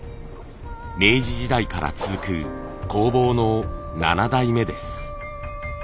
明治時代から続く工房の７代目です。